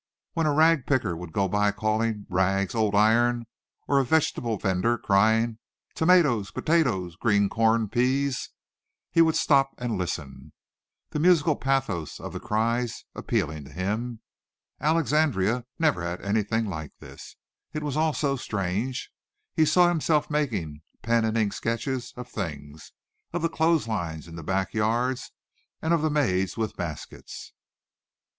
When a rag picker would go by calling "rags, old iron," or a vegetable vender crying "tomatoes, potatoes, green corn, peas," he would stop and listen, the musical pathos of the cries appealing to him. Alexandria had never had anything like this. It was all so strange. He saw himself making pen and ink sketches of things, of the clothes lines in the back yards and of the maids with baskets.